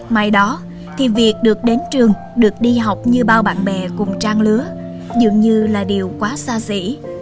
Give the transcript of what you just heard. mai đó thì việc được đến trường được đi học như bao bạn bè cùng trang lứa dường như là điều quá xa xỉ